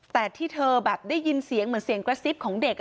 แต่ที่เธอแบบได้ยินเสียงเหมือนเสียงกระซิบของเด็ก